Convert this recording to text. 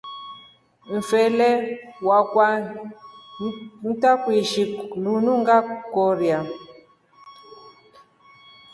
Ifele waku ntakuishhi lunu ngakuloria.